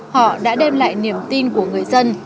họ đã đem lại niềm tin của người dân